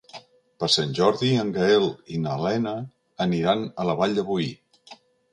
Per Sant Jordi en Gaël i na Lena aniran a la Vall de Boí.